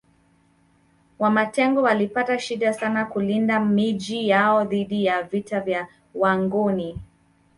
Wamatengo walipata shida sana kulinda Miji yao dhidi ya vita ya Wangoni